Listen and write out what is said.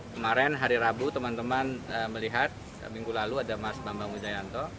kemarin hari rabu teman teman melihat minggu lalu ada mas bambang wijayanto